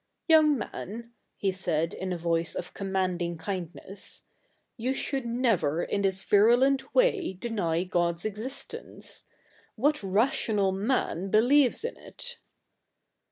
Young man,' he said in a voice of commanding kindness, ' you should never in this virulent way deny God's existence. What rational man believes in it